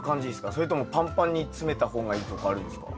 それともパンパンに詰めた方がいいとかあるんですか？